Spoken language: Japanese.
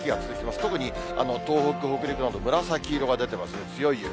特に東北、北陸など紫色が出てますね、強い雪。